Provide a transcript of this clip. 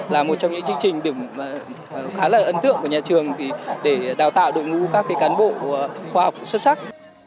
là một trong những chương trình khá là ấn tượng của nhà trường để đào tạo đội ngũ các cán bộ khoa học xuất sắc